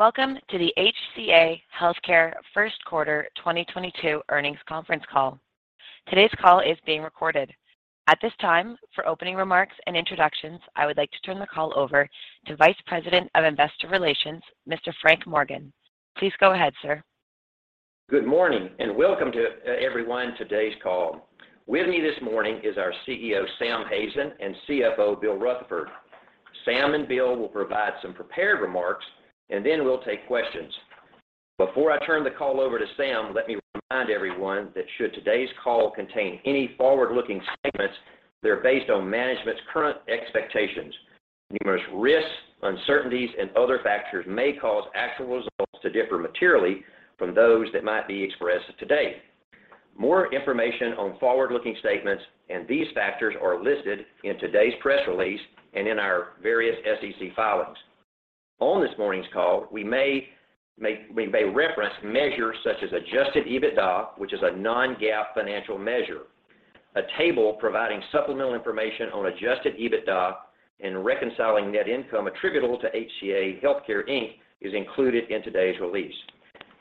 Welcome to the HCA Healthcare Q1 2022 Earnings Conference Call. Today's call is being recorded. At this time, for opening remarks and introductions, I would like to turn the call over to Vice President of Investor Relations, Mr. Frank Morgan. Please go ahead, sir. Good morning, and welcome to everyone to today's call. With me this morning is our CEO, Sam Hazen, and CFO, Bill Rutherford. Sam and Bill will provide some prepared remarks, and then we'll take questions. Before I turn the call over to Sam, let me remind everyone that should today's call contain any forward-looking statements, they're based on management's current expectations. Numerous risks, uncertainties, and other factors may cause actual results to differ materially from those that might be expressed today. More information on forward-looking statements and these factors are listed in today's press release and in our various SEC filings. On this morning's call, we may reference measures such as adjusted EBITDA, which is a non-GAAP financial measure. A table providing supplemental information on adjusted EBITDA and reconciling net income attributable to HCA Healthcare, Inc. is included in today's release.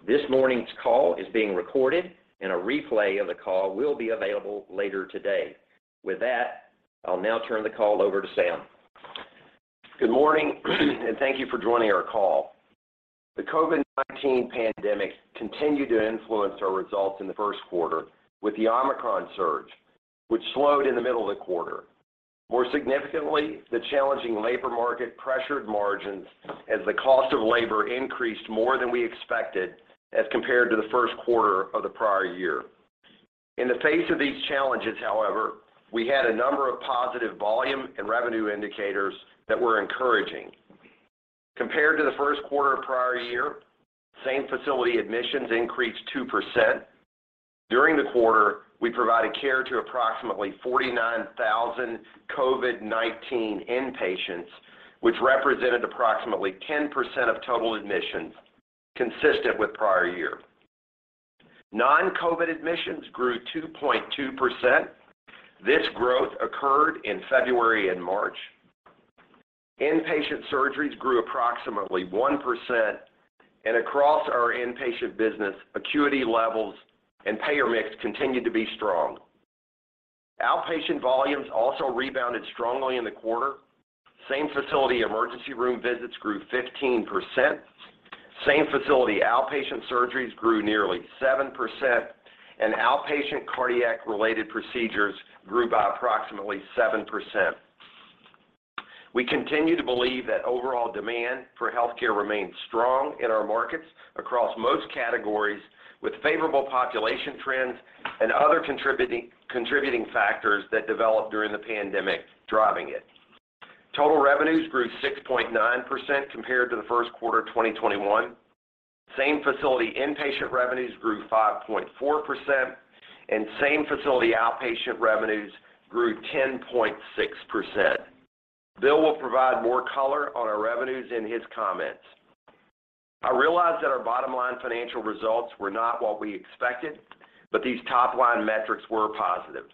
This morning's call is being recorded, and a replay of the call will be available later today. With that, I'll now turn the call over to Sam. Good morning, and thank you for joining our call. The COVID-19 pandemic continued to influence our results in the Q1 with the Omicron surge, which slowed in the middle of the quarter. More significantly, the challenging labor market pressured margins as the cost of labor increased more than we expected as compared to the Q1 of the prior year. In the face of these challenges, however, we had a number of positive volume and revenue indicators that were encouraging. Compared to the Q1 of prior year, same-facility admissions increased 2%. During the quarter, we provided care to approximately 49,000 COVID-19 inpatients, which represented approximately 10% of total admissions, consistent with prior year. Non-COVID admissions grew 2.2%. This growth occurred in February and March. Inpatient surgeries grew approximately 1%, and across our inpatient business, acuity levels and payer mix continued to be strong. Outpatient volumes also rebounded strongly in the quarter. Same-facility emergency room visits grew 15%. Same-facility outpatient surgeries grew nearly 7%, and outpatient cardiac-related procedures grew by approximately 7%. We continue to believe that overall demand for healthcare remains strong in our markets across most categories, with favorable population trends and other contributing factors that developed during the pandemic driving it. Total revenues grew 6.9% compared to the Q1 of 2021. Same-facility inpatient revenues grew 5.4%, and same-facility outpatient revenues grew 10.6%. Bill will provide more color on our revenues in his comments. I realize that our bottom-line financial results were not what we expected, but these top-line metrics were positive.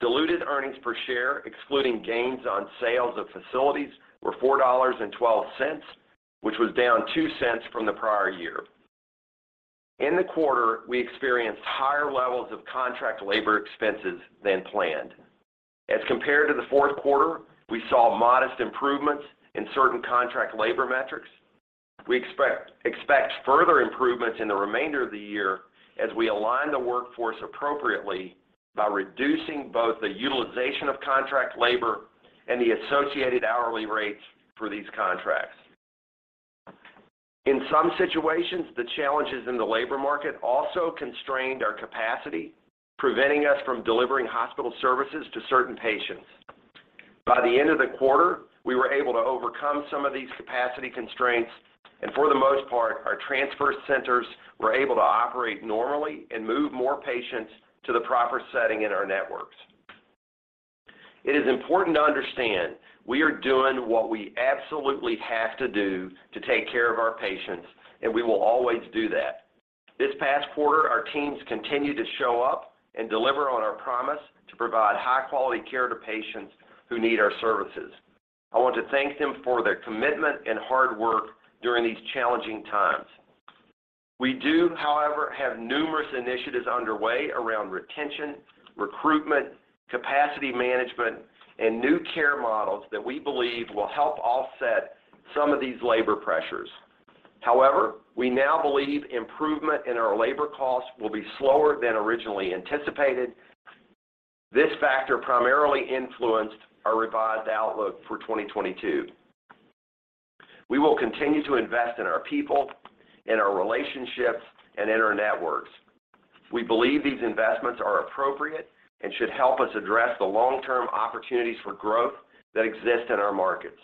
Diluted earnings per share, excluding gains on sales of facilities, were $4.12, which was down 2 cents from the prior year. In the quarter, we experienced higher levels of contract labor expenses than planned. As compared to the Q4, we saw modest improvements in certain contract labor metrics. We expect further improvements in the remainder of the year as we align the workforce appropriately by reducing both the utilization of contract labor and the associated hourly rates for these contracts. In some situations, the challenges in the labor market also constrained our capacity, preventing us from delivering hospital services to certain patients. By the end of the quarter, we were able to overcome some of these capacity constraints, and for the most part, our transfer centers were able to operate normally and move more patients to the proper setting in our networks. It is important to understand we are doing what we absolutely have to do to take care of our patients, and we will always do that. This past quarter, our teams continued to show up and deliver on our promise to provide high-quality care to patients who need our services. I want to thank them for their commitment and hard work during these challenging times. We do, however, have numerous initiatives underway around retention, recruitment, capacity management, and new care models that we believe will help offset some of these labor pressures. However, we now believe improvement in our labor costs will be slower than originally anticipated. This factor primarily influenced our revised outlook for 2022. We will continue to invest in our people, in our relationships, and in our networks. We believe these investments are appropriate and should help us address the long-term opportunities for growth that exist in our markets.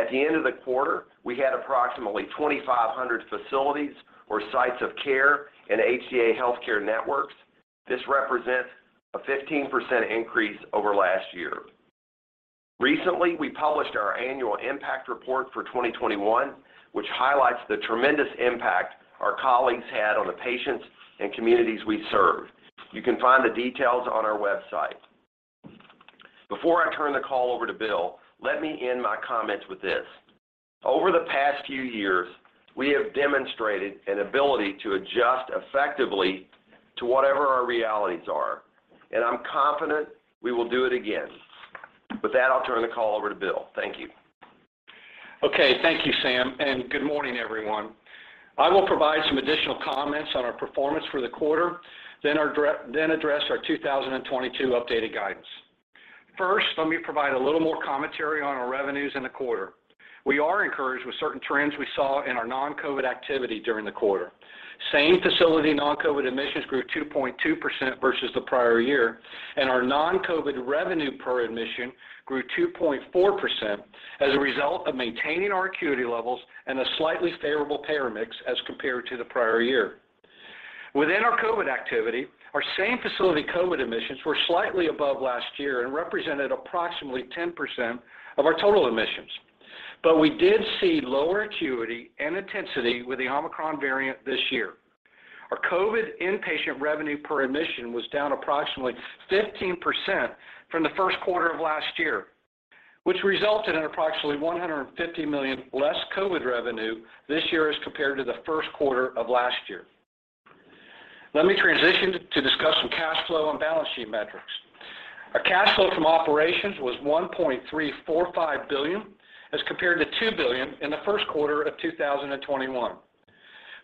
At the end of the quarter, we had approximately 2,500 facilities or sites of care in HCA Healthcare networks. This represents a 15% increase over last year. Recently, we published our annual impact report for 2021, which highlights the tremendous impact our colleagues had on the patients and communities we serve. You can find the details on our website. Before I turn the call over to Bill, let me end my comments with this. Over the past few years, we have demonstrated an ability to adjust effectively to whatever our realities are, and I'm confident we will do it again. With that, I'll turn the call over to Bill. Thank you. Okay. Thank you, Sam, and good morning, everyone. I will provide some additional comments on our performance for the quarter, then address our 2022 updated guidance. First, let me provide a little more commentary on our revenues in the quarter. We are encouraged with certain trends we saw in our non-COVID activity during the quarter. Same facility non-COVID admissions grew 2.2% versus the prior year, and our non-COVID revenue per admission grew 2.4% as a result of maintaining our acuity levels and a slightly favorable payer mix as compared to the prior year. Within our COVID activity, our same facility COVID admissions were slightly above last year and represented approximately 10% of our total admissions. We did see lower acuity and intensity with the Omicron variant this year. Our COVID inpatient revenue per admission was down approximately 15% from the Q1 of last year, which resulted in approximately $150 million less COVID revenue this year as compared to the Q1 of last year. Let me transition to discuss some cash flow and balance sheet metrics. Our cash flow from operations was $1.345 billion as compared to $2 billion in the Q1 of 2021.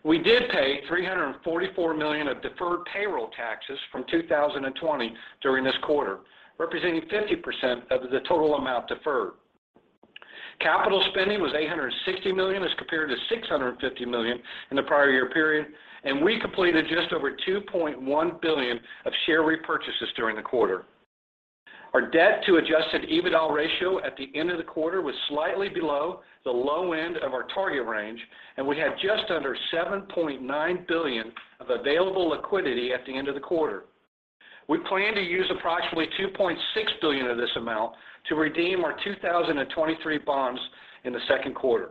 We did pay $344 million of deferred payroll taxes from 2020 during this quarter, representing 50% of the total amount deferred. Capital spending was $860 million as compared to $650 million in the prior year period, and we completed just over $2.1 billion of share repurchases during the quarter. Our debt to adjusted EBITDA ratio at the end of the quarter was slightly below the low end of our target range, and we had just under $7.9 billion of available liquidity at the end of the quarter. We plan to use approximately $2.6 billion of this amount to redeem our 2023 bonds in the second quarter.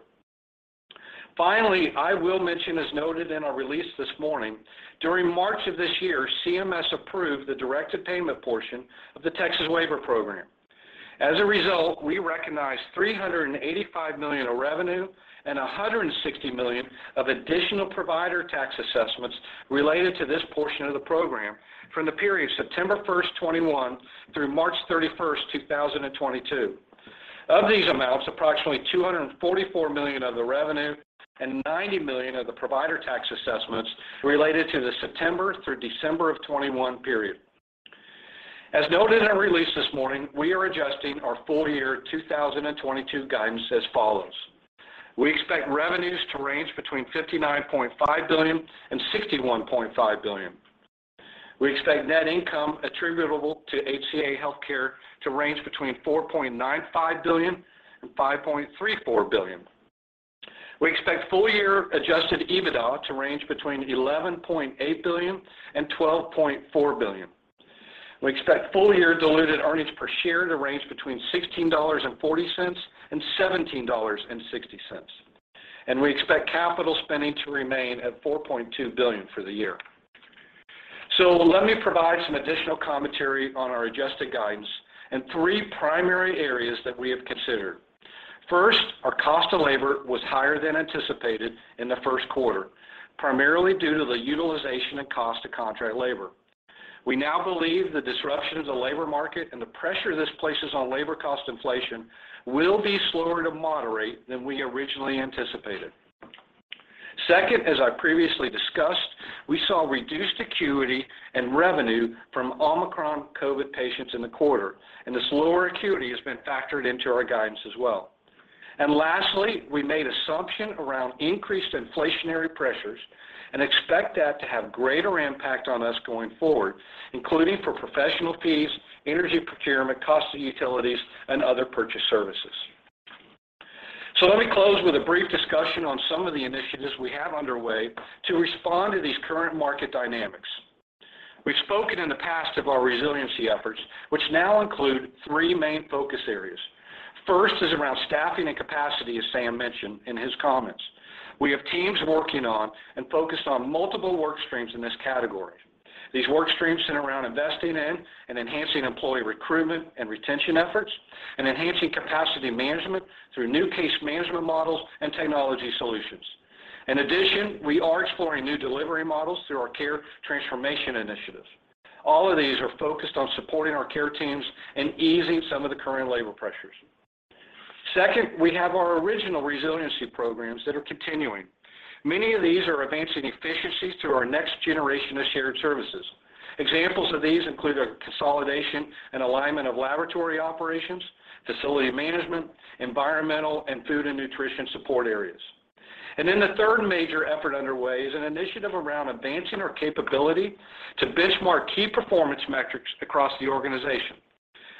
Finally, I will mention, as noted in our release this morning, during March of this year, CMS approved the directed payment portion of the Texas 1115 Waiver. As a result, we recognized $385 million of revenue and $160 million of additional provider tax assessments related to this portion of the program from the period September 1, 2021 through March 31, 2022. Of these amounts, approximately $244 million of the revenue and $90 million of the provider tax assessments related to the September through December 2021 period. As noted in our release this morning, we are adjusting our full year 2022 guidance as follows: We expect revenues to range between $59.5 billion and $61.5 billion. We expect net income attributable to HCA Healthcare to range between $4.95 billion and $5.34 billion. We expect full year adjusted EBITDA to range between $11.8 billion and $12.4 billion. We expect full year diluted earnings per share to range between $16.40 and $17.60. We expect capital spending to remain at $4.2 billion for the year. Let me provide some additional commentary on our adjusted guidance in three primary areas that we have considered. First, our cost of labor was higher than anticipated in the Q1, primarily due to the utilization and cost of contract labor. We now believe the disruption of the labor market and the pressure this places on labor cost inflation will be slower to moderate than we originally anticipated. Second, as I previously discussed, we saw reduced acuity and revenue from Omicron COVID patients in the quarter, and this lower acuity has been factored into our guidance as well. Lastly, we made assumptions around increased inflationary pressures and expect that to have greater impact on us going forward, including for professional fees, energy procurement, cost of utilities, and other purchase services. Let me close with a brief discussion on some of the initiatives we have underway to respond to these current market dynamics. We've spoken in the past of our resiliency efforts, which now include three main focus areas. First is around staffing and capacity, as Sam mentioned in his comments. We have teams working on and focused on multiple work streams in this category. These work streams center around investing in and enhancing employee recruitment and retention efforts and enhancing capacity management through new case management models and technology solutions. In addition, we are exploring new delivery models through our care transformation initiatives. All of these are focused on supporting our care teams and easing some of the current labor pressures. Second, we have our original resiliency programs that are continuing. Many of these are advancing efficiencies through our next generation of shared services. Examples of these include our consolidation and alignment of laboratory operations, facility management, environmental, and food and nutrition support areas. The third major effort underway is an initiative around advancing our capability to benchmark key performance metrics across the organization.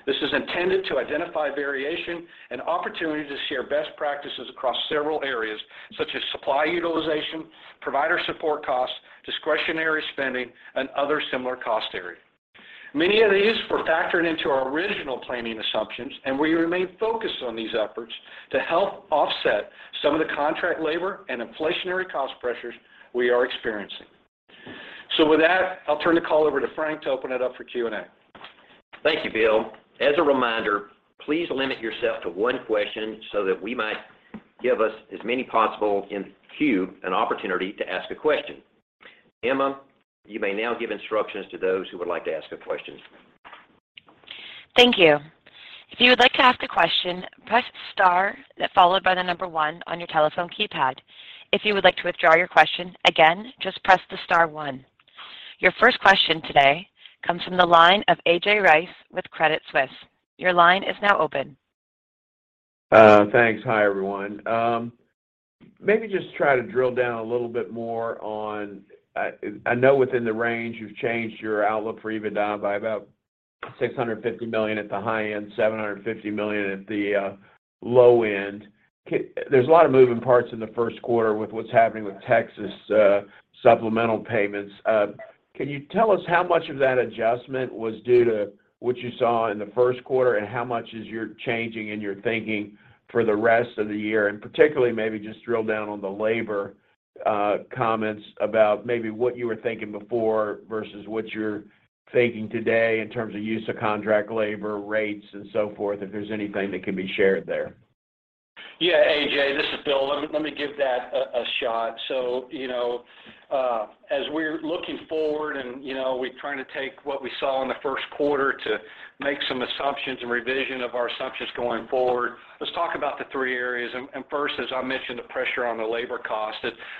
This is intended to identify variation and opportunity to share best practices across several areas such as supply utilization, provider support costs, discretionary spending, and other similar cost areas. Many of these were factored into our original planning assumptions, and we remain focused on these efforts to help offset some of the contract labor and inflationary cost pressures we are experiencing. With that, I'll turn the call over to Frank to open it up for Q&A. Thank you, Bill. As a reminder, please limit yourself to one question so that we might give as many as possible in the queue an opportunity to ask a question. Emma, you may now give instructions to those who would like to ask a question. Thank you. If you would like to ask a question, press star followed by the number one on your telephone keypad. If you would like to withdraw your question, again, just press the star one. Your first question today comes from the line of A.J. Rice with Credit Suisse. Your line is now open. Thanks. Hi, everyone. Maybe just try to drill down a little bit more on, I know within the range you've changed your outlook for EBITDA by about $650 million at the high end, $750 million at the low end. There's a lot of moving parts in the Q1 with what's happening with Texas supplemental payments. Can you tell us how much of that adjustment was due to what you saw in the Q1, and how much is your changing in your thinking for the rest of the year? Particularly maybe just drill down on the labor comments about maybe what you were thinking before versus what you're thinking today in terms of use of contract labor rates and so forth, if there's anything that can be shared there. Yeah, A.J., this is Bill. Let me give that a shot. You know, as we're looking forward, you know, we're trying to take what we saw in the Q1 to make some assumptions and revision of our assumptions going forward. Let's talk about the three areas. First, as I mentioned, the pressure on the labor cost.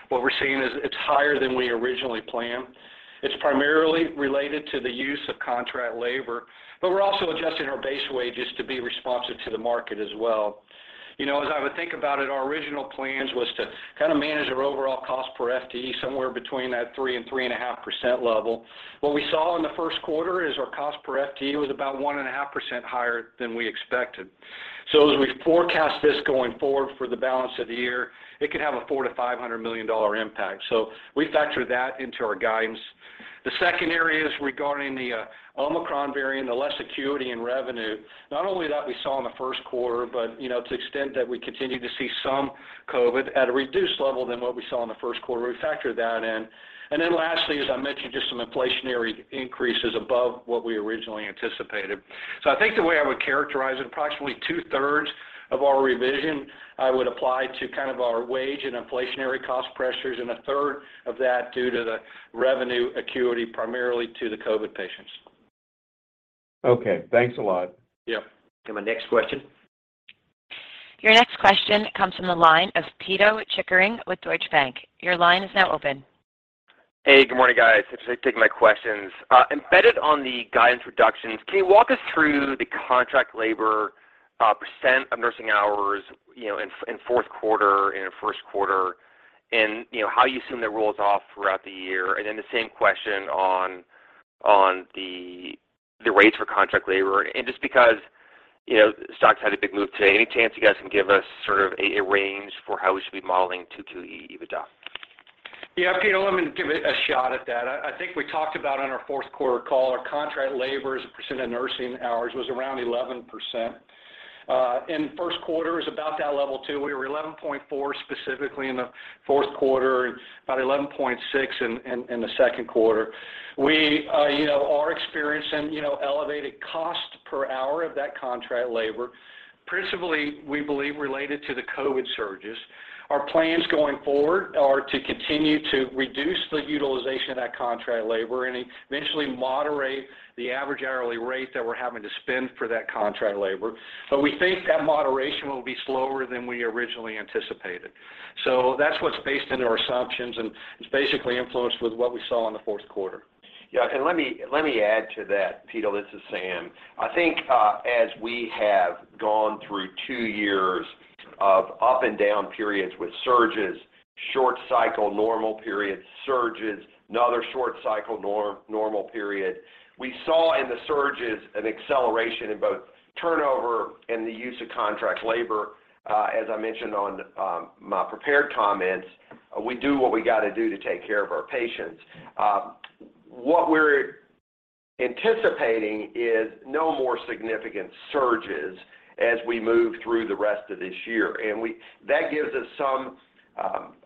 What we're seeing is it's higher than we originally planned. It's primarily related to the use of contract labor, but we're also adjusting our base wages to be responsive to the market as well. You know, as I would think about it, our original plans was to kind of manage our overall cost per FTE somewhere between 3% and 3.5% level. What we saw in the Q1 is our cost per FTE was about 1.5% higher than we expected. As we forecast this going forward for the balance of the year, it could have a $400 million-$500 million impact. We factor that into our guidance. The second area is regarding the Omicron variant, the less acuity in revenue not only that we saw in the Q1, but you know, to the extent that we continue to see some COVID at a reduced level than what we saw in the Q1, we factor that in. Then lastly, as I mentioned, just some inflationary increases above what we originally anticipated. I think the way I would characterize it, approximately two-thirds of our revision, I would apply to kind of our wage and inflationary cost pressures, and a third of that due to the revenue acuity, primarily to the COVID patients. Okay. Thanks a lot. Yeah. Go to my next question. Your next question comes from the line of Pito Chickering with Deutsche Bank. Your line is now open. Hey, good morning, guys. Thanks for taking my questions. Embedded on the guidance reductions, can you walk us through the contract labor percent of nursing hours, you know, in Q4 and in Q1, and you know, how you assume that rolls off throughout the year? Then the same question on the rates for contract labor. Just because, you know, the stock's had a big move today, any chance you guys can give us sort of a range for how we should be modeling 2Q EBITDA? Yeah, Peter, let me give it a shot at that. I think we talked about on our Q4 call, our contract labor as a percent of nursing hours was around 11%. In Q1 it was about that level, too. We were 11.4% specifically in the Q4 and about 11.6% in the second quarter. You know, we are experiencing you know elevated cost per hour of that contract labor, principally, we believe, related to the COVID surges. Our plans going forward are to continue to reduce the utilization of that contract labor and eventually moderate the average hourly rate that we're having to spend for that contract labor. We think that moderation will be slower than we originally anticipated. That's what's baked into our assumptions, and it's basically influenced by what we saw in the Q4. Let me add to that, Peter. This is Sam. I think, as we have gone through two years of up and down periods with surges, short cycle normal periods, surges, another short cycle normal period, we saw in the surges an acceleration in both turnover and the use of contract labor, as I mentioned on my prepared comments. We do what we gotta do to take care of our patients. What we're anticipating is no more significant surges as we move through the rest of this year. That gives us some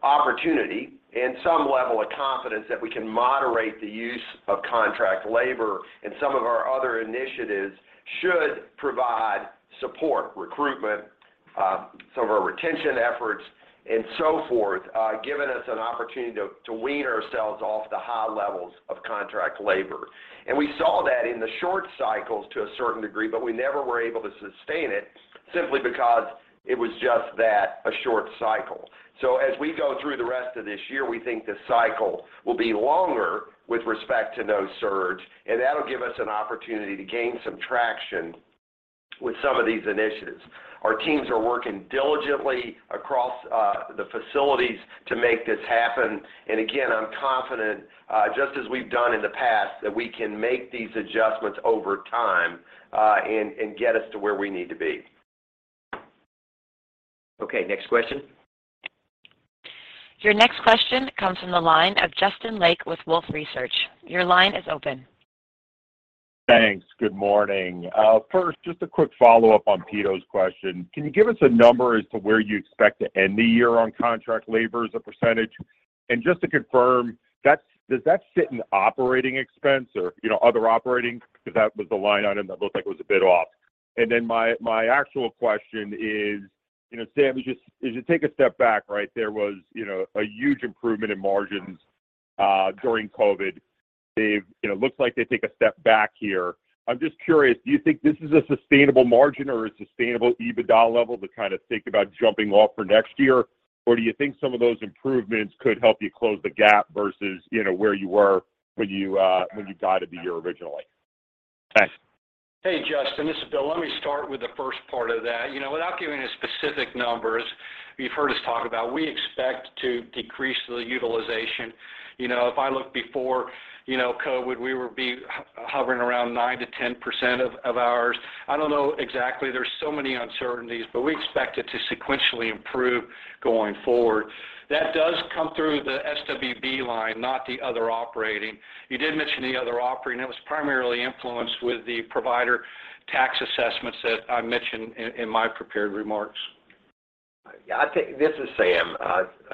opportunity and some level of confidence that we can moderate the use of contract labor and some of our other initiatives should provide support, recruitment, some of our retention efforts and so forth, giving us an opportunity to wean ourselves off the high levels of contract labor. We saw that in the short cycles to a certain degree, but we never were able to sustain it simply because it was just that, a short cycle. As we go through the rest of this year, we think the cycle will be longer with respect to no surge, and that'll give us an opportunity to gain some traction with some of these initiatives. Our teams are working diligently across the facilities to make this happen. Again, I'm confident, just as we've done in the past, that we can make these adjustments over time, and get us to where we need to be. Okay, next question. Your next question comes from the line of Justin Lake with Wolfe Research. Your line is open. Thanks. Good morning. First, just a quick follow-up on Pete's question. Can you give us a number as to where you expect to end the year on contract labor as a percentage? And just to confirm, that does that sit in operating expense or, you know, other operating? Because that was the line item that looked like it was a bit off. And then my actual question is, you know, Sam, just as you take a step back, right? There was, you know, a huge improvement in margins during COVID. They, you know, looks like they take a step back here. I'm just curious, do you think this is a sustainable margin or a sustainable EBITDA level to kind of think about jumping off for next year? Do you think some of those improvements could help you close the gap versus, you know, where you were when you, when you guided the year originally? Thanks. Hey, Justin, this is Bill. Let me start with the first part of that. You know, without giving the specific numbers, you've heard us talk about we expect to decrease the utilization. You know, if I look before, you know, COVID, we would be hovering around 9%-10% of ours. I don't know exactly. There's so many uncertainties, but we expect it to sequentially improve going forward. That does come through the SWB line, not the other operating. You did mention the other operating, that was primarily influenced with the provider tax assessments that I mentioned in my prepared remarks. Yeah, I think this is Sam.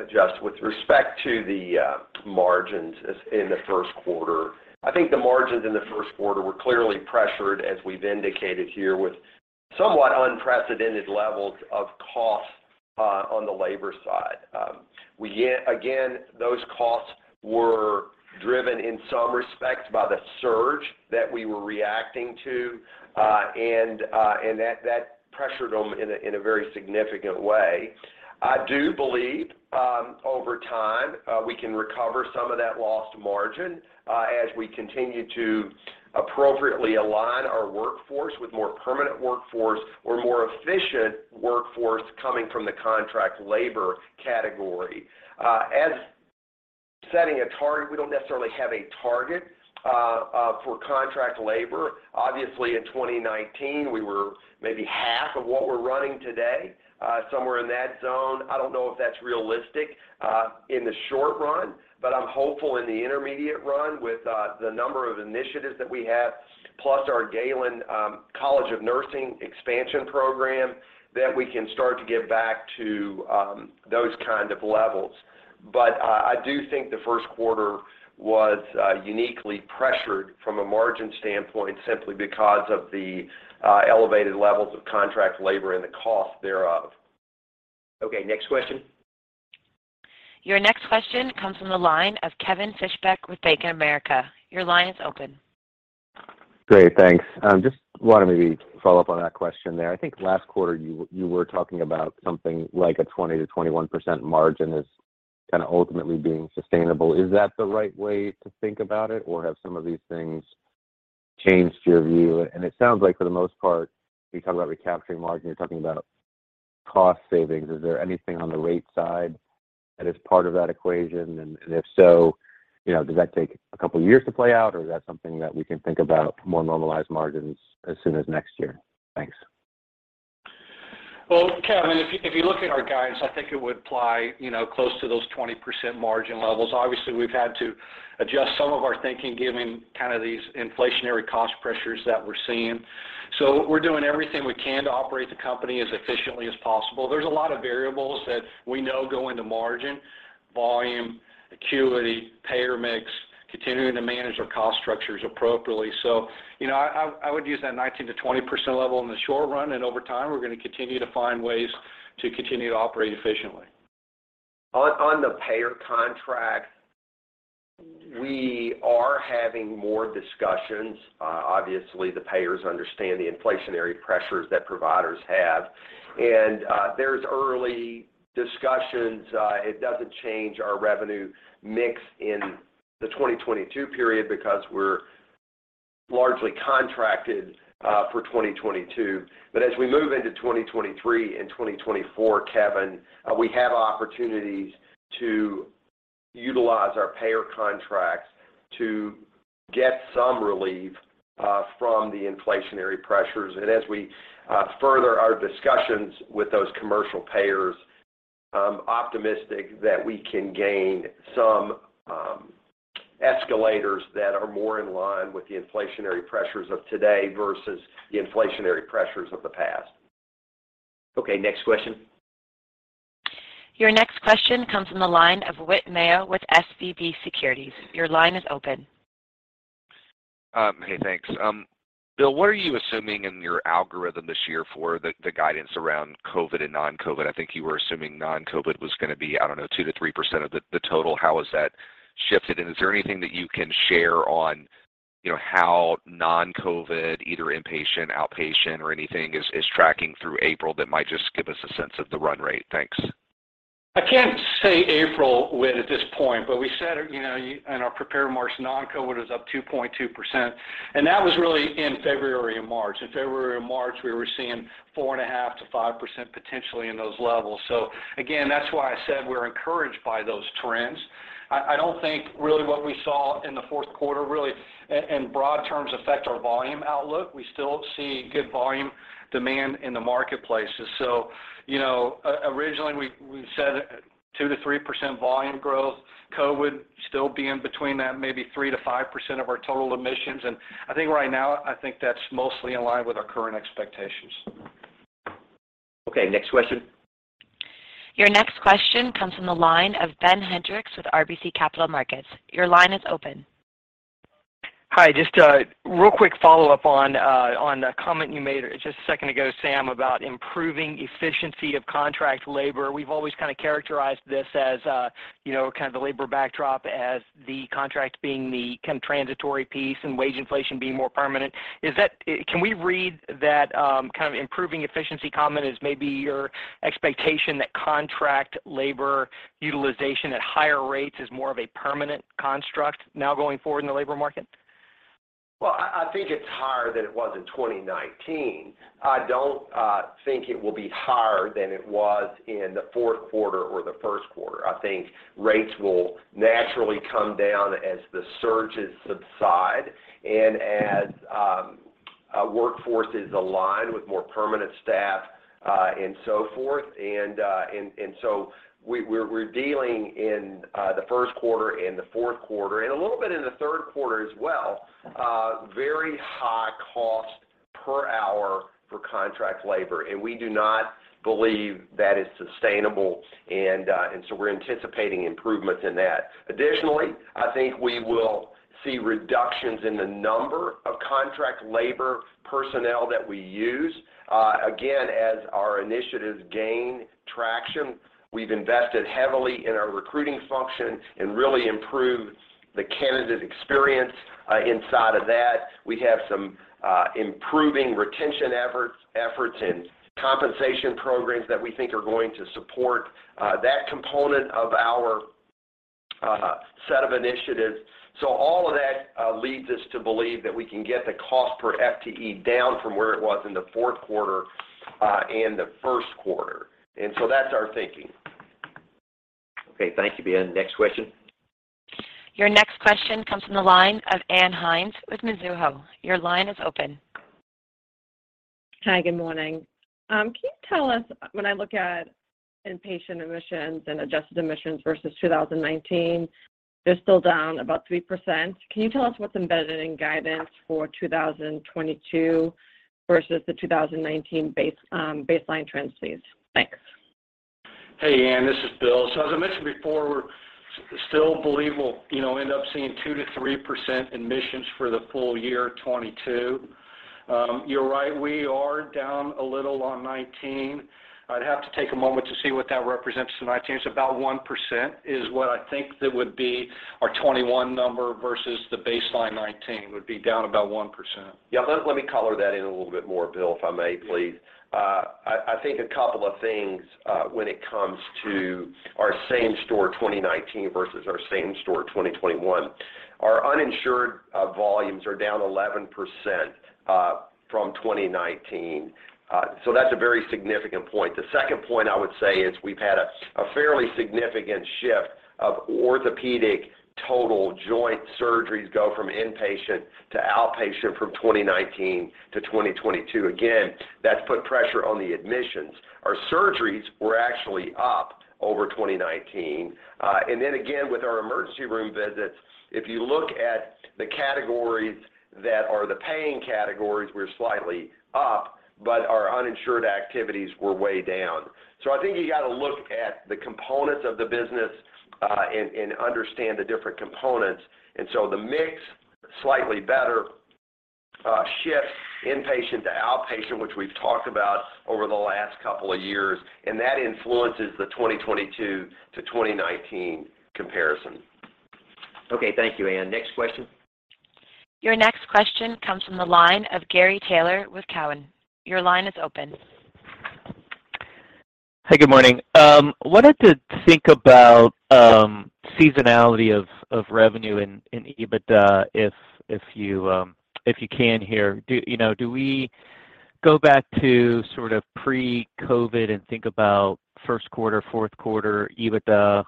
Just with respect to the margins as in the Q1, I think the margins in the Q1 were clearly pressured, as we've indicated here, with somewhat unprecedented levels of costs on the labor side. Yet again, those costs were driven in some respects by the surge that we were reacting to, and that pressured them in a very significant way. I do believe over time we can recover some of that lost margin as we continue to appropriately align our workforce with more permanent workforce or more efficient workforce coming from the contract labor category. As setting a target, we don't necessarily have a target for contract labor. Obviously, in 2019, we were maybe half of what we're running today, somewhere in that zone. I don't know if that's realistic in the short run, but I'm hopeful in the intermediate run with the number of initiatives that we have, plus our Galen College of Nursing expansion program, that we can start to get back to those kind of levels. I do think the Q1 was uniquely pressured from a margin standpoint simply because of the elevated levels of contract labor and the cost thereof. Okay, next question. Your next question comes from the line of Kevin Fischbeck with Bank of America. Your line is open. Great. Thanks. Just wanted maybe to follow up on that question there. I think last quarter, you were talking about something like a 20%-21% margin as kinda ultimately being sustainable. Is that the right way to think about it? Or have some of these things changed your view? It sounds like for the most part, when you talk about recapturing margin, you're talking about cost savings. Is there anything on the rate side that is part of that equation? And if so, you know, does that take a couple of years to play out, or is that something that we can think about more normalized margins as soon as next year? Thanks. Well, Kevin, if you look at our guidance, I think it would apply, you know, close to those 20% margin levels. Obviously, we've had to adjust some of our thinking, given kinda these inflationary cost pressures that we're seeing. We're doing everything we can to operate the company as efficiently as possible. There's a lot of variables that we know go into margin, volume, acuity, payer mix, continuing to manage our cost structures appropriately. You know, I would use that 19%-20% level in the short run, and over time, we're gonna continue to find ways to continue to operate efficiently. On the payer contract, we are having more discussions. Obviously, the payers understand the inflationary pressures that providers have. There's early discussions. It doesn't change our revenue mix in the 2022 period because we're largely contracted for 2022. As we move into 2023 and 2024, Kevin, we have opportunities to utilize our payer contracts to get some relief from the inflationary pressures. As we further our discussions with those commercial payers, I'm optimistic that we can gain some escalators that are more in line with the inflationary pressures of today versus the inflationary pressures of the past. Okay, next question. Your next question comes from the line of Whit Mayo with SVB Securities. Your line is open. Hey, thanks. Bill, what are you assuming in your algorithm this year for the guidance around COVID and non-COVID? I think you were assuming non-COVID was gonna be, I don't know, 2%-3% of the total. How has that shifted? Is there anything that you can share on, you know, how non-COVID, either inpatient, outpatient, or anything is tracking through April that might just give us a sense of the run rate? Thanks. I can't say April, Whit, at this point, but we said, you know, in our prepared remarks, non-COVID was up 2.2%, and that was really in February and March. In February and March, we were seeing 4.5%-5% potentially in those levels. Again, that's why I said we're encouraged by those trends. I don't think really what we saw in the Q4 really in broad terms affect our volume outlook. We still see good volume demand in the marketplaces. You know, originally we said 2%-3% volume growth. COVID still being between that maybe 3%-5% of our total admissions, and I think right now, I think that's mostly in line with our current expectations. Okay, next question. Your next question comes from the line of Ben Hendrix with RBC Capital Markets. Your line is open. Hi. Just a real quick follow-up on a comment you made just a second ago, Sam, about improving efficiency of contract labor. We've always kind of characterized this as a, you know, kind of the labor backdrop as the contract being the kind of transitory piece and wage inflation being more permanent. Can we read that kind of improving efficiency comment as maybe your expectation that contract labor utilization at higher rates is more of a permanent construct now going forward in the labor market? Well, I think it's higher than it was in 2019. I don't think it will be higher than it was in the Q4 or the Q1. I think rates will naturally come down as the surges subside and as workforces align with more permanent staff and so forth. We're dealing in the Q1 and the Q4, and a little bit in the Q3 as well, very high cost per hour for contract labor. We do not believe that is sustainable and so we're anticipating improvements in that. Additionally, I think we will see reductions in the number of contract labor personnel that we use again, as our initiatives gain traction. We've invested heavily in our recruiting function and really improved the candidate experience inside of that. We have some improving retention efforts and compensation programs that we think are going to support that component of our set of initiatives. All of that leads us to believe that we can get the cost per FTE down from where it was in the Q4 and the Q1. That's our thinking. Okay, thank you, Ben. Next question. Your next question comes from the line of Ann Hynes with Mizuho. Your line is open. Hi, good morning. Can you tell us, when I look at inpatient admissions and adjusted admissions versus 2019, they're still down about 3%. Can you tell us what's embedded in guidance for 2022 versus the 2019 base, baseline trends, please? Thanks. Hey, Ann, this is Bill. As I mentioned before, we're still believe we'll, you know, end up seeing 2%-3% admissions for the full year 2022. You're right, we are down a little on 2019. I'd have to take a moment to see what that represents in 2019. It's about 1% is what I think that would be our 2021 number versus the baseline 2019 would be down about 1%. Yeah, let me color that in a little bit more, Bill, if I may please. I think a couple of things when it comes to our same-store 2019 versus our same-store 2021. Our uninsured volumes are down 11% from 2019. That's a very significant point. The second point I would say is we've had a fairly significant shift of orthopedic total joint surgeries go from inpatient to outpatient from 2019 to 2022. Again, that's put pressure on the admissions. Our surgeries were actually up over 2019. Again, with our emergency room visits, if you look at the categories that are the paying categories were slightly up, but our uninsured activities were way down. I think you got to look at the components of the business, and understand the different components. The mix, slightly better, shift inpatient to outpatient, which we've talked about over the last couple of years, and that influences the 2022 to 2019 comparison. Okay. Thank you, Anne. Next question. Your next question comes from the line of Gary Taylor with Cowen. Your line is open. Hi, good morning. Wanted to think about seasonality of revenue in EBITDA if you can here. You know, do we go back to sort of pre-COVID and think about Q1, Q4 EBITDA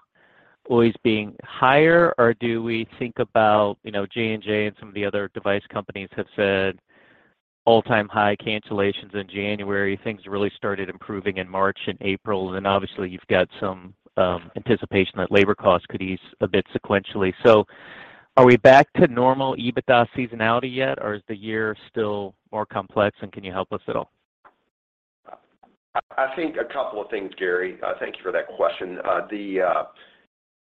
always being higher, or do we think about, you know, J&J and some of the other device companies have said all-time high cancellations in January, things really started improving in March and April. Then obviously you've got some anticipation that labor costs could ease a bit sequentially. Are we back to normal EBITDA seasonality yet, or is the year still more complex, and can you help us at all? I think a couple of things, Gary. Thank you for that question.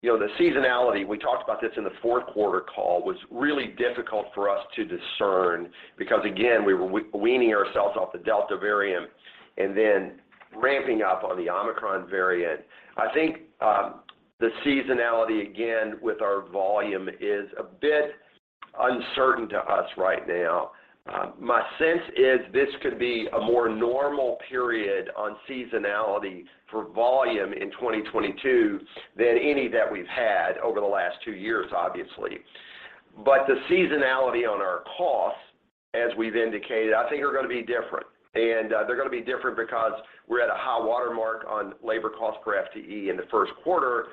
You know, the seasonality, we talked about this in the Q4 call, was really difficult for us to discern because again, we were weaning ourselves off the Delta variant and then ramping up on the Omicron variant. I think, the seasonality, again, with our volume is a bit uncertain to us right now. My sense is this could be a more normal period on seasonality for volume in 2022 than any that we've had over the last two years, obviously. The seasonality on our costs, as we've indicated, I think are gonna be different. They're gonna be different because we're at a high water mark on labor cost per FTE in the Q1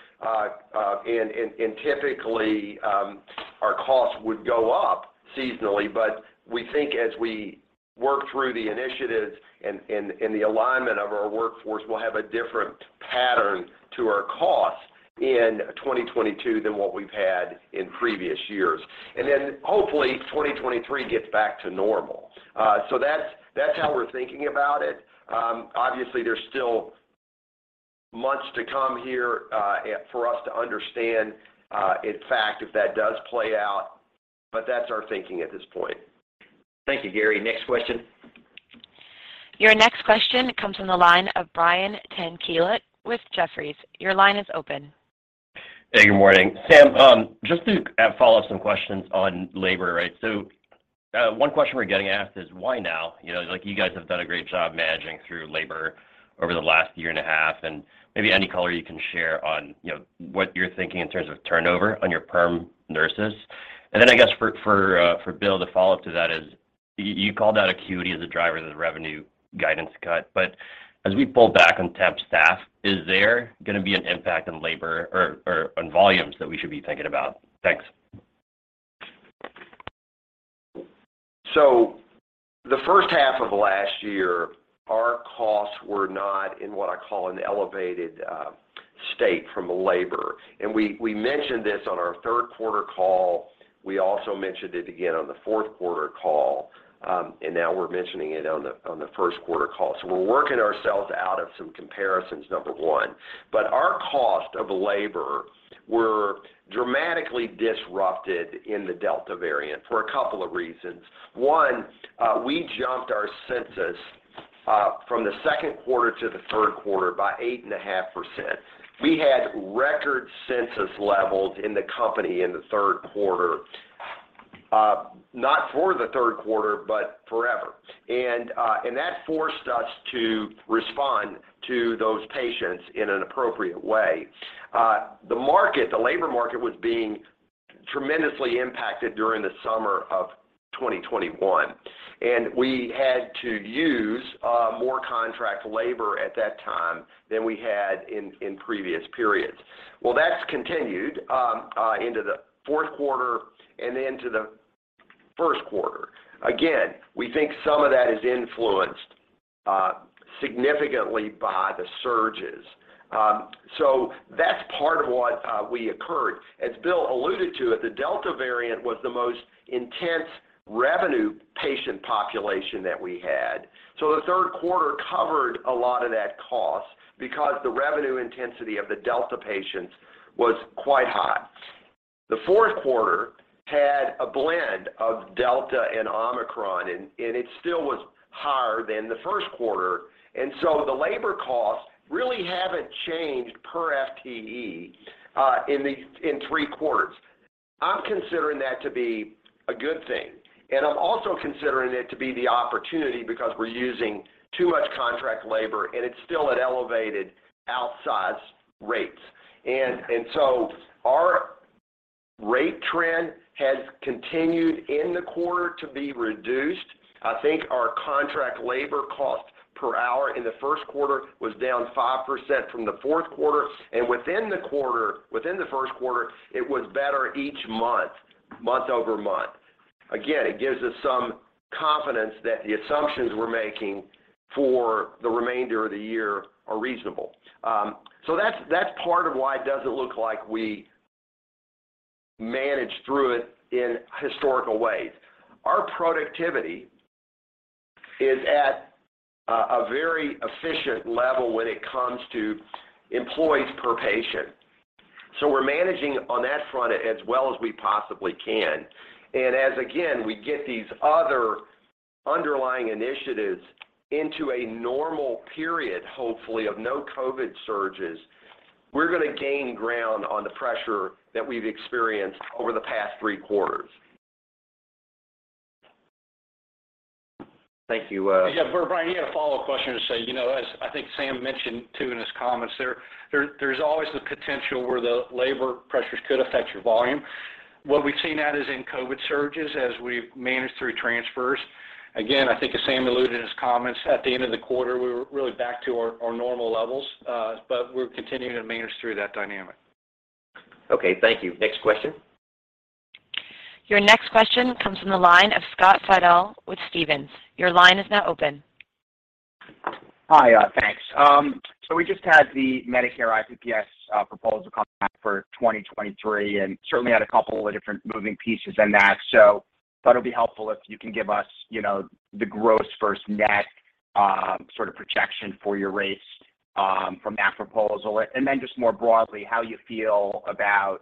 Typically, our costs would go up seasonally, but we think as we work through the initiatives and the alignment of our workforce will have a different pattern to our costs in 2022 than what we've had in previous years. Then hopefully, 2023 gets back to normal. So that's how we're thinking about it. Obviously, there's still months to come here for us to understand in fact if that does play out, but that's our thinking at this point. Thank you, Gary. Next question. Your next question comes from the line of Brian Tanquilut with Jefferies. Your line is open. Hey, good morning. Sam, just to follow up some questions on labor, right? One question we're getting asked is why now? You know, like, you guys have done a great job managing through labor over the last year and a half, and maybe any color you can share on, you know, what you're thinking in terms of turnover on your perm nurses. And then I guess for Bill, the follow-up to that is you called out acuity as a driver of the revenue guidance cut. But as we pull back on temp staff, is there gonna be an impact on labor or on volumes that we should be thinking about? Thanks. The first half of last year, our costs were not in what I call an elevated state from labor. We mentioned this on our Q3 call. We also mentioned it again on the Q4 call, and now we're mentioning it on the Q1 call. We're working ourselves out of some comparisons, number one. Our cost of labor were dramatically disrupted in the Delta variant for a couple of reasons. One, we jumped our census from the second quarter to the Q3 by 8.5%. We had record census levels in the company in the Q3, not for the Q3, but forever. That forced us to respond to those patients in an appropriate way. The market, the labor market was being tremendously impacted during the summer of 2021, and we had to use more contract labor at that time than we had in previous periods. Well, that's continued into the Q4 and into the Q1. Again, we think some of that is influenced significantly by the surges. So that's part of what we incurred. As Bill alluded to it, the Delta variant was the most revenue-intensive patient population that we had. So the Q3 covered a lot of that cost because the revenue intensity of the Delta patients was quite high. The Q4 had a blend of Delta and Omicron, and it still was higher than the Q1. The labor costs really haven't changed per FTE in three quarters. I'm considering that to be a good thing, and I'm also considering it to be the opportunity because we're using too much contract labor, and it's still at elevated outsize rates. Our rate trend has continued in the quarter to be reduced. I think our contract labor cost per hour in the Q1 was down 5% from the Q4. Within the Q1, it was better each month-over-month. Again, it gives us some confidence that the assumptions we're making for the remainder of the year are reasonable. That's part of why it doesn't look like we managed through it in historical ways. Our productivity is at a very efficient level when it comes to employees per patient. We're managing on that front as well as we possibly can. As, again, we get these other underlying initiatives into a normal period, hopefully of no COVID surges, we're gonna gain ground on the pressure that we've experienced over the past three quarters. Thank you. Yeah, Brian, you had a follow-up question to say, you know, as I think Sam mentioned, too, in his comments there's always the potential where the labor pressures could affect your volume. What we've seen, that is, in COVID surges as we've managed through transfers. Again, I think as Sam alluded in his comments, at the end of the quarter, we were really back to our normal levels, but we're continuing to manage through that dynamic. Okay, thank you. Next question. Your next question comes from the line of Scott Fidel with Stephens. Your line is now open. Hi, thanks. We just had the Medicare IPPS proposal come out for 2023, and certainly had a couple of different moving pieces in that. Thought it'll be helpful if you can give us, you know, the gross versus net sort of projection for your rates from that proposal. Then just more broadly, how you feel about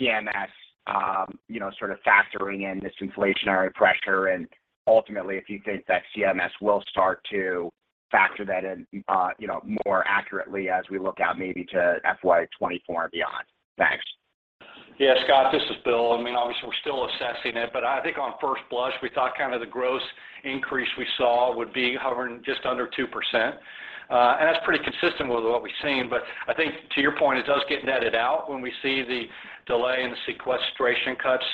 CMS, you know, sort of factoring in this inflationary pressure. Ultimately, if you think that CMS will start to factor that in, you know, more accurately as we look out maybe to FY 2024 and beyond. Thanks. Yeah, Scott, this is Bill. I mean, obviously, we're still assessing it, but I think on first blush, we thought kind of the gross increase we saw would be hovering just under 2%. That's pretty consistent with what we've seen. I think to your point, it does get netted out when we see the delay in the sequestration cuts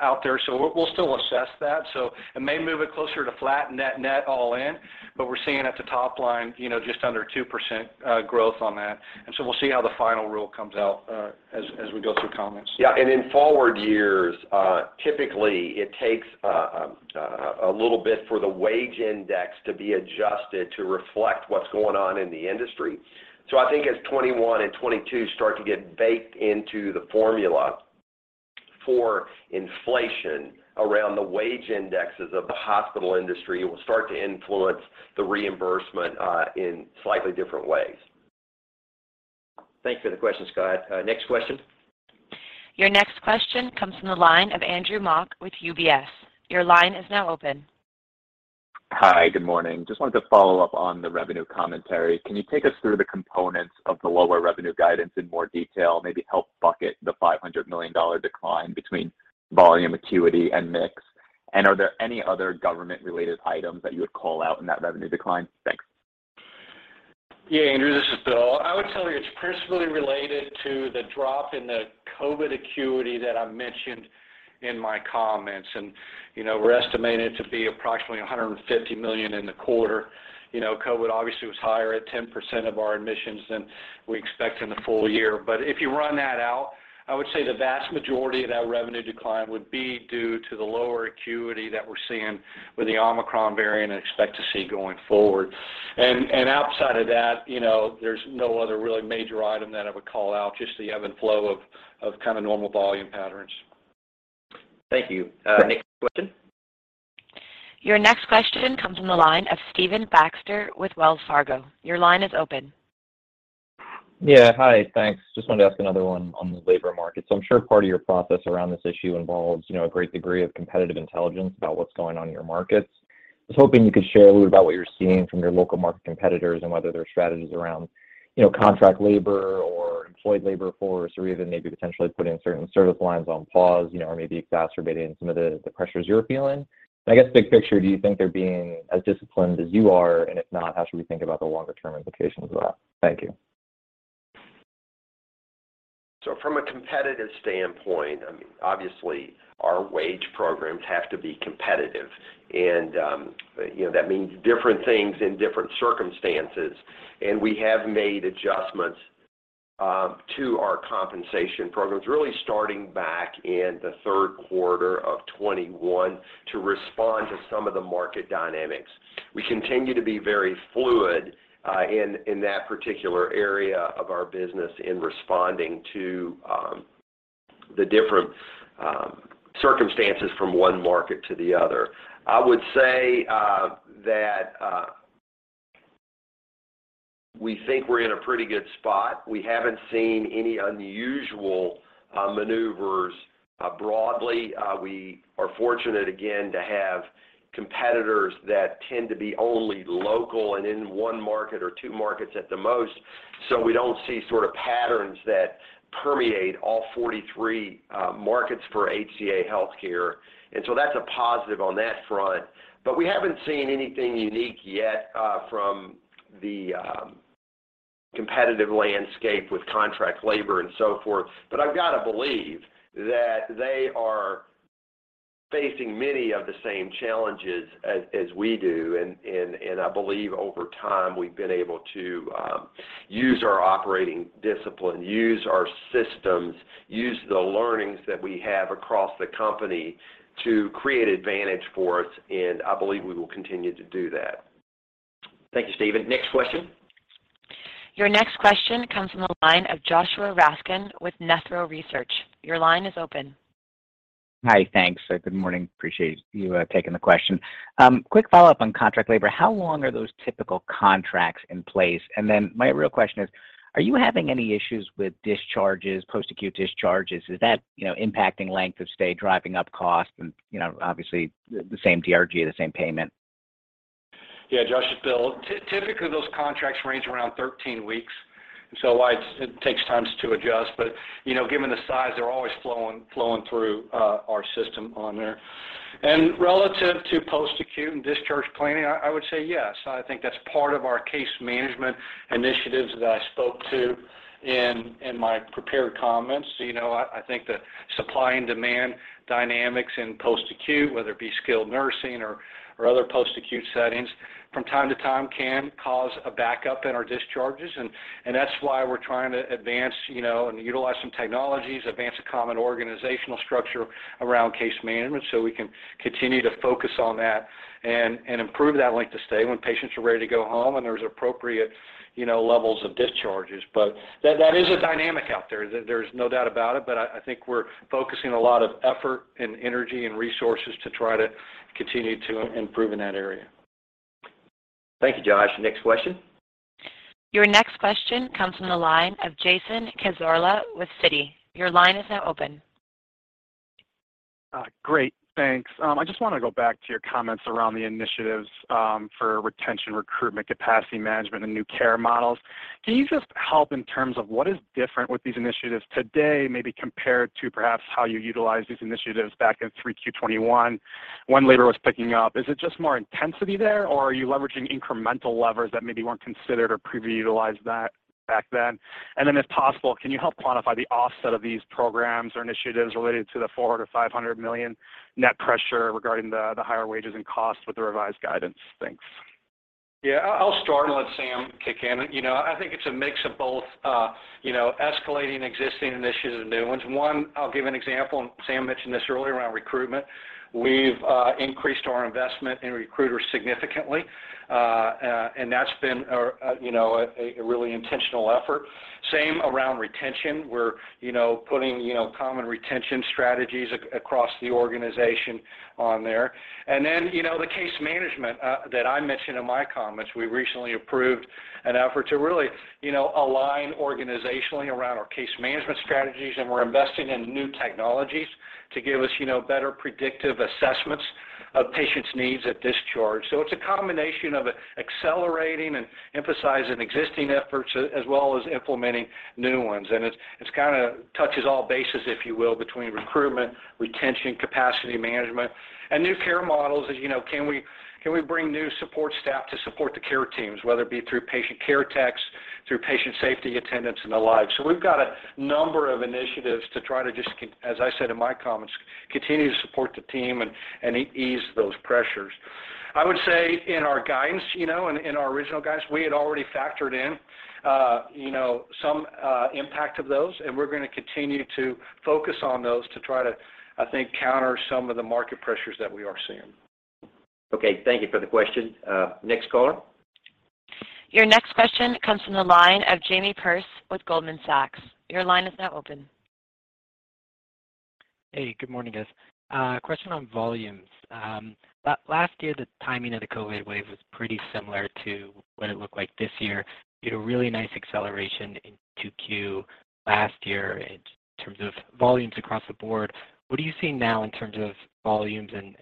out there. We'll still assess that. It may move it closer to flat net net all in. We're seeing at the top line, you know, just under 2% growth on that. We'll see how the final rule comes out as we go through comments. Yeah. In forward years, typically it takes a little bit for the wage index to be adjusted to reflect what's going on in the industry. I think as 2021 and 2022 start to get baked into the formula for inflation around the wage indexes of the hospital industry, it will start to influence the reimbursement in slightly different ways. Thanks for the question, Scott. Next question. Your next question comes from the line of Andrew Mok with UBS. Your line is now open. Hi. Good morning. Just wanted to follow up on the revenue commentary. Can you take us through the components of the lower revenue guidance in more detail, maybe help bucket the $500 million decline between volume acuity and mix? And are there any other government-related items that you would call out in that revenue decline? Thanks. Yeah, Andrew, this is Bill. I would tell you it's principally related to the drop in the COVID acuity that I mentioned in my comments, and, you know, we're estimating it to be approximately $150 million in the quarter. You know, COVID obviously was higher at 10% of our admissions than we expect in the full year. But if you run that out, I would say the vast majority of that revenue decline would be due to the lower acuity that we're seeing with the Omicron variant and expect to see going forward. Outside of that, you know, there's no other really major item that I would call out, just the ebb and flow of kind of normal volume patterns. Thank you. Next question. Your next question comes from the line of Stephen Baxter with Wells Fargo. Your line is open. Yeah. Hi. Thanks. Just wanted to ask another one on the labor market. I'm sure part of your process around this issue involves, you know, a great degree of competitive intelligence about what's going on in your markets. I was hoping you could share a little about what you're seeing from your local market competitors and whether their strategies around, you know, contract labor or employed labor force are even maybe potentially putting certain service lines on pause, you know, or maybe exacerbating some of the pressures you're feeling. I guess big picture, do you think they're being as disciplined as you are? If not, how should we think about the longer term implications of that? Thank you. From a competitive standpoint, I mean, obviously our wage programs have to be competitive. You know, that means different things in different circumstances. We have made adjustments to our compensation programs really starting back in the Q3 of 2021 to respond to some of the market dynamics. We continue to be very fluid in that particular area of our business in responding to the different circumstances from one market to the other. I would say that we think we're in a pretty good spot. We haven't seen any unusual maneuvers broadly. We are fortunate again to have competitors that tend to be only local and in one market or two markets at the most. We don't see sort of patterns that permeate all 43 markets for HCA Healthcare, and that's a positive on that front. We haven't seen anything unique yet from the competitive landscape with contract labor and so forth. I've got to believe that they are facing many of the same challenges as we do. I believe over time, we've been able to use our operating discipline, use our systems, use the learnings that we have across the company to create advantage for us, and I believe we will continue to do that. Thank you, Stephen. Next question. Your next question comes from the line of Joshua Raskin with Nephron Research. Your line is open. Hi. Thanks. Good morning. Appreciate you taking the question. Quick follow-up on contract labor. How long are those typical contracts in place? My real question is, are you having any issues with discharges, post-acute discharges? Is that, you know, impacting length of stay, driving up cost and, you know, obviously the same DRG, the same payment? Yeah, Josh, it's Bill. Typically, those contracts range around 13 weeks, and so it takes time to adjust. You know, given the size, they're always flowing through our system on there. Relative to post-acute and discharge planning, I would say yes. I think that's part of our case management initiatives that I spoke to in my prepared comments. You know, I think the supply and demand dynamics in post-acute, whether it be skilled nursing or other post-acute settings, from time to time can cause a backup in our discharges. That's why we're trying to advance, you know, and utilize some technologies, advance a common organizational structure around case management, so we can continue to focus on that and improve that length of stay when patients are ready to go home and there's appropriate, you know, levels of discharges. That is a dynamic out there. There's no doubt about it, but I think we're focusing a lot of effort and energy and resources to try to continue to improve in that area. Thank you, Josh. Next question. Your next question comes from the line of Jason Cassorla with Citi. Your line is now open. Great. Thanks. I just want to go back to your comments around the initiatives for retention, recruitment, capacity management, and new care models. Can you just help in terms of what is different with these initiatives today, maybe compared to perhaps how you utilized these initiatives back in 3Q 2021 when labor was picking up? Is it just more intensity there, or are you leveraging incremental levers that maybe weren't considered or pre-utilized back then? If possible, can you help quantify the offset of these programs or initiatives related to the $400 million-$500 million net pressure regarding the higher wages and costs with the revised guidance? Thanks. Yeah, I'll start and let Sam kick in. You know, I think it's a mix of both, you know, escalating existing initiatives and new ones. One, I'll give an example, and Sam mentioned this earlier around recruitment. We've increased our investment in recruiters significantly, and that's been a, you know, a really intentional effort. Same around retention. We're, you know, putting, you know, common retention strategies across the organization on there. You know, the case management that I mentioned in my comments, we recently approved an effort to really, you know, align organizationally around our case management strategies, and we're investing in new technologies to give us, you know, better predictive assessments of patients' needs at discharge. It's a combination of accelerating and emphasizing existing efforts as well as implementing new ones. It kinda touches all bases, if you will, between recruitment, retention, capacity management, and new care models. As you know, can we bring new support staff to support the care teams, whether it be through patient care techs, through patient safety attendants, and the like. We've got a number of initiatives to try to just, as I said in my comments, continue to support the team and ease those pressures. I would say in our guidance, you know, in our original guidance, we had already factored in, you know, some impact of those, and we're gonna continue to focus on those to try to, I think, counter some of the market pressures that we are seeing. Okay, thank you for the question. Next caller. Your next question comes from the line of Jamie Perse with Goldman Sachs. Your line is now open. Hey, good morning, guys. Question on volumes. Last year, the timing of the COVID wave was pretty similar to what it looked like this year. You had a really nice acceleration in 2Q last year in terms of volumes across the board. What are you seeing now in terms of volumes and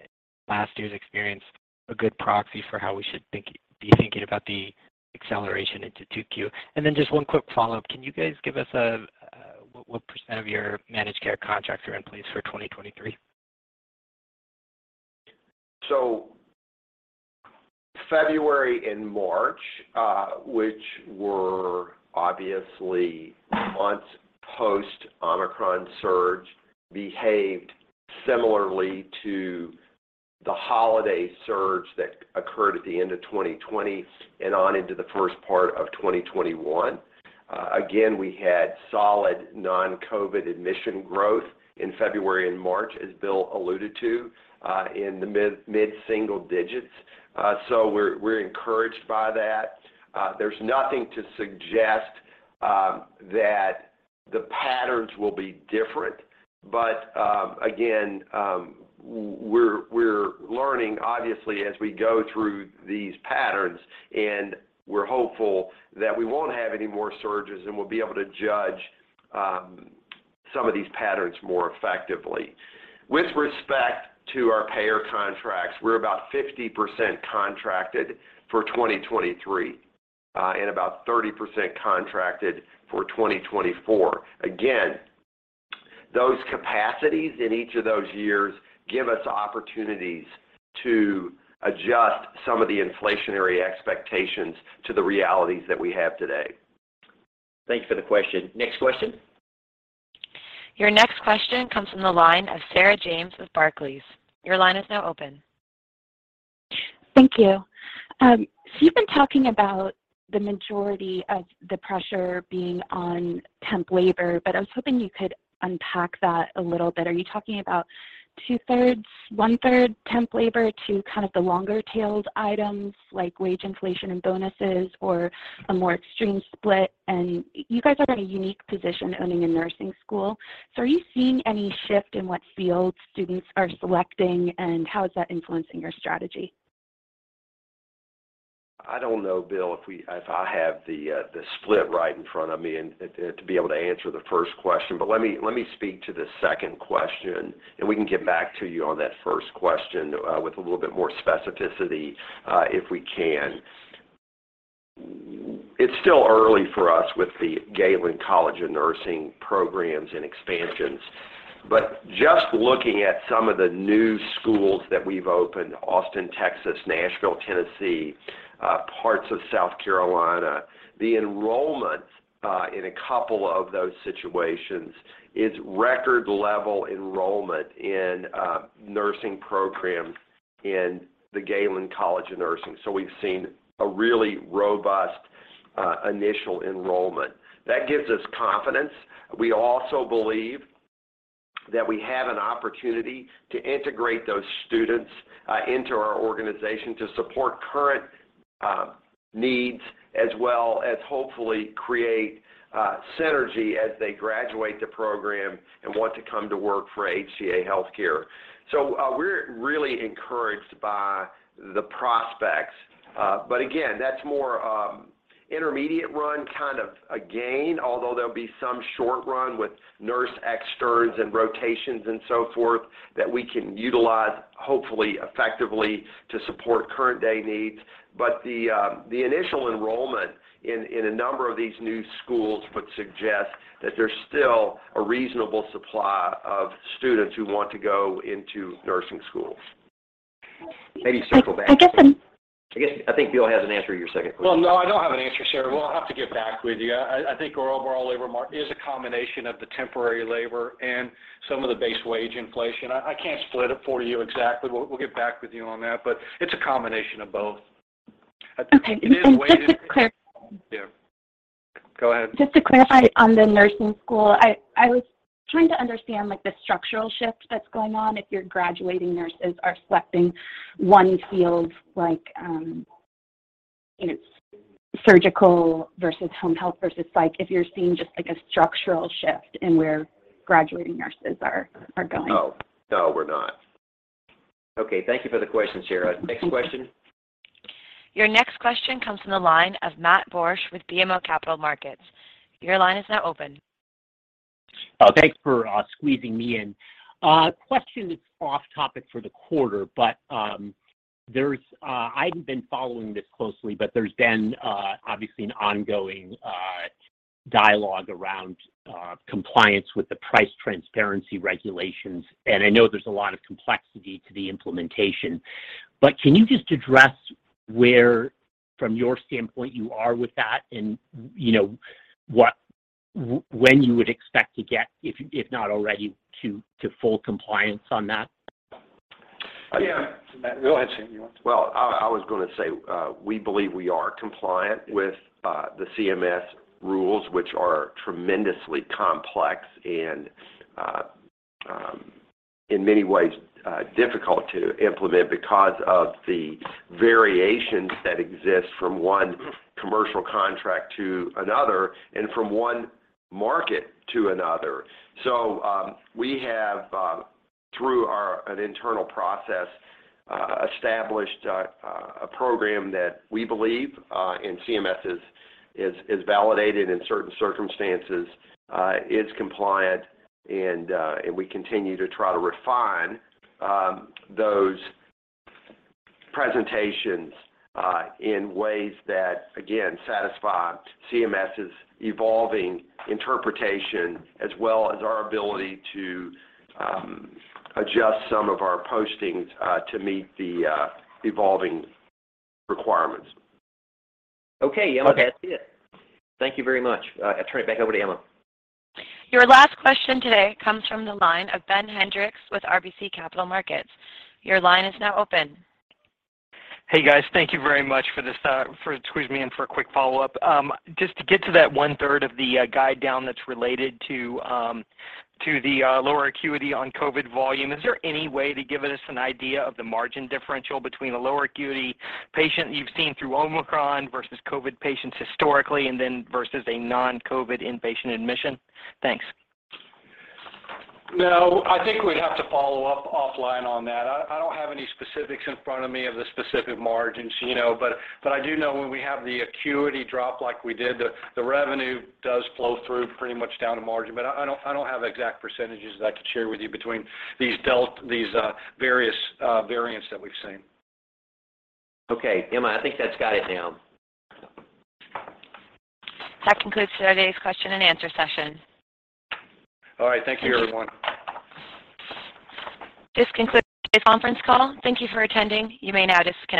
last year's experience a good proxy for how we should be thinking about the acceleration into 2Q? Then just one quick follow-up. Can you guys give us what % of your managed care contracts are in place for 2023? February and March, which were obviously months post Omicron surge, behaved similarly to the holiday surge that occurred at the end of 2020 and on into the first part of 2021. Again, we had solid non-COVID admission growth in February and March, as Bill alluded to, in the mid single digits. We're encouraged by that. There's nothing to suggest that the patterns will be different. We're learning obviously as we go through these patterns, and we're hopeful that we won't have any more surges, and we'll be able to judge some of these patterns more effectively. With respect to our payer contracts, we're about 50% contracted for 2023, and about 30% contracted for 2024. Again, those capacities in each of those years give us opportunities to adjust some of the inflationary expectations to the realities that we have today. Thanks for the question. Next question. Your next question comes from the line of Sarah James with Barclays. Your line is now open. Thank you. You've been talking about the majority of the pressure being on temp labor, but I was hoping you could unpack that a little bit. Are you talking about two-thirds, one-third temp labor to kind of the longer-tailed items like wage inflation and bonuses or a more extreme split? You guys are in a unique position owning a nursing school. Are you seeing any shift in what field students are selecting, and how is that influencing your strategy? I don't know, Bill, if I have the split right in front of me and to be able to answer the first question. Let me speak to the second question, and we can get back to you on that first question with a little bit more specificity, if we can. It's still early for us with the Galen College of Nursing programs and expansions. Just looking at some of the new schools that we've opened, Austin, Texas, Nashville, Tennessee, parts of South Carolina, the enrollment in a couple of those situations is record-level enrollment in nursing programs in the Galen College of Nursing. So we've seen a really robust initial enrollment. That gives us confidence. We also believe that we have an opportunity to integrate those students into our organization to support current needs as well as hopefully create synergy as they graduate the program and want to come to work for HCA Healthcare. We're really encouraged by the prospects. Again, that's more intermediate run kind of a gain, although there'll be some short run with nurse externs and rotations and so forth that we can utilize hopefully effectively to support current day needs. The initial enrollment in a number of these new schools would suggest that there's still a reasonable supply of students who want to go into nursing schools. Maybe circle back to that. I guess I'm- I guess, I think Bill has an answer to your second question. Well, no, I don't have an answer, Sarah. We'll have to get back with you. I think our overall labor market is a combination of the temporary labor and some of the base wage inflation. I can't split it for you exactly. We'll get back with you on that, but it's a combination of both. Okay. Just to clarify. Yeah Go ahead. Just to clarify on the nursing school, I was trying to understand, like, the structural shift that's going on if your graduating nurses are selecting one field, like, you know, surgical versus home health versus psych, if you're seeing just, like, a structural shift in where graduating nurses are going. No, we're not. Okay, thank you for the question, Sarah. Next question. Your next question comes from the line of Matt Borsch with BMO Capital Markets. Your line is now open. Thanks for squeezing me in. Question is off topic for the quarter, but I've been following this closely, but there's been obviously an ongoing dialogue around compliance with the price transparency regulations, and I know there's a lot of complexity to the implementation. Can you just address where from your standpoint you are with that and, you know, when you would expect to get, if not already, to full compliance on that? Yeah. Go ahead, Sam. You want to- Well, I was gonna say we believe we are compliant with the CMS rules, which are tremendously complex and in many ways difficult to implement because of the variations that exist from one commercial contract to another and from one market to another. We have through our internal process established a program that we believe and CMS has validated in certain circumstances is compliant and we continue to try to refine those presentations in ways that again satisfy CMS's evolving interpretation as well as our ability to adjust some of our postings to meet the evolving requirements. Okay, Emma, that's it. Thank you very much. I turn it back over to Emma. Your last question today comes from the line of Ben Hendrix with RBC Capital Markets. Your line is now open. Hey, guys. Thank you very much for this, for squeezing me in for a quick follow-up. Just to get to that one-third of the guide down that's related to the lower acuity on COVID volume, is there any way to give us an idea of the margin differential between a lower acuity patient you've seen through Omicron versus COVID patients historically and then versus a non-COVID inpatient admission? Thanks. No, I think we'd have to follow up offline on that. I don't have any specifics in front of me of the specific margins, you know, but I do know when we have the acuity drop like we did, the revenue does flow through pretty much down to margin. But I don't have exact percentages that I could share with you between these various variants that we've seen. Okay. Emma, I think that's got it now. That concludes today's question and answer session. All right. Thank you, everyone. This concludes today's conference call. Thank you for attending. You may now disconnect.